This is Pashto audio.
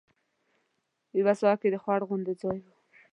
یوه ساحه کې د خوړ غوندې ځای و.